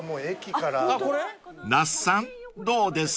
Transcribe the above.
［那須さんどうです？］